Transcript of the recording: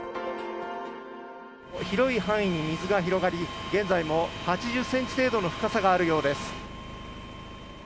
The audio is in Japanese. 広い範囲に水が広がり現在も８０ｃｍ程度の深さがあるようです。